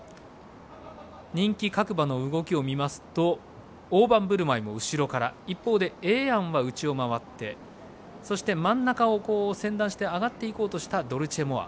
人気各馬の動きを見ますとオオバンブルマイも後ろから一方でエエヤンは内を回ってそして、真ん中を専断して上がっていこうとしたドルチェモア。